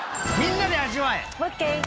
みんなで味わえ！